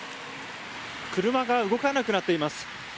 車が動かなくなっています。